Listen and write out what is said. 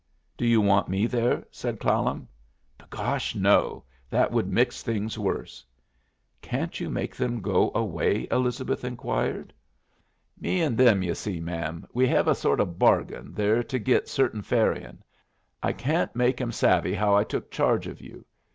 "Do you want me there?" said Clallam. "Begosh, no! That would mix things worse." "Can't you make them go away?" Elizabeth inquired. "Me and them, ye see, ma'am, we hev a sort of bargain they're to git certain ferryin'. I can't make 'em savvy how I took charge of you.